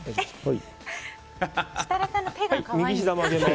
設楽さんの手が可愛い。